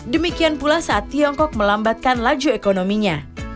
demikian pula saat tiongkok melambatkan laju ekonominya